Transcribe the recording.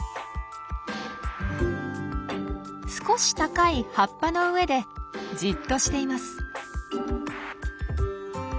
少し高い葉っぱの上でじっとしています。